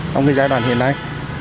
trong giai đoạn hiện nay